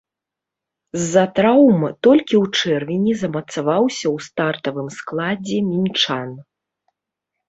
З-за траўм толькі ў чэрвені замацаваўся ў стартавым складзе мінчан.